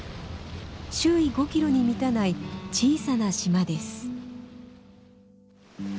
周囲５キロに満たない小さな島です。